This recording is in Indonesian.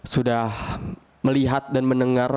sudah melihat dan mendengar